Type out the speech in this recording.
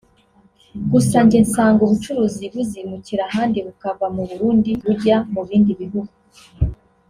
gusa njye nsanga ubucuruzi buzimukira ahandi bukava mu Burundi bujya mu bindi bihugu